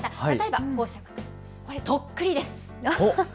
例えば、これ、とっくりです。